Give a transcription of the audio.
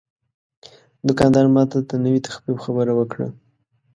دوکاندار ماته د نوې تخفیف خبره وکړه.